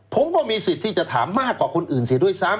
ผมก็มีสิทธิ์ที่จะถามมากกว่าคนอื่นเสียด้วยซ้ำ